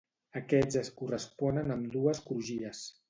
Aquests es corresponen amb dues crugies.